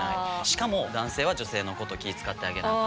しかも男性は女性のこと気遣ってあげなあ